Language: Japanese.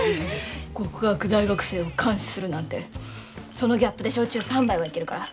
極悪大学生を監視するなんてそのギャップで焼酎３杯はいけるから。